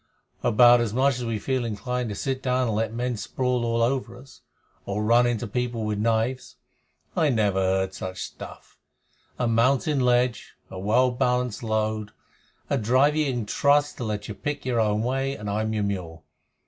"About as much as we feel inclined to sit down and let men sprawl all over us, or run into people with knives. I never heard such stuff. A mountain ledge, a well balanced load, a driver you can trust to let you pick your own way, and I'm your mule.